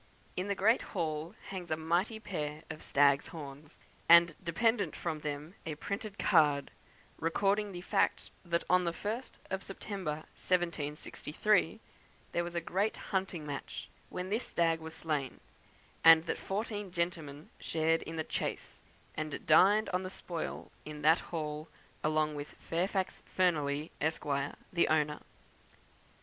In the great hall hangs a mighty pair of stag's horns, and dependent from them a printed card, recording the fact that, on the 1st of September, 1763, there was a great hunting match, when this stag was slain; and that fourteen gentlemen shared in the chase, and dined on the spoil in that hall, along with Fairfax Fearneley, Esq., the owner.